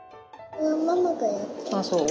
ああそう？